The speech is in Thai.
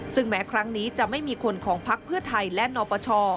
ซึ่งแม้ครั้งนี้จะไม่มีคนของพักเพื่อไทยและนปช